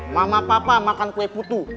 mama papa makan kue putu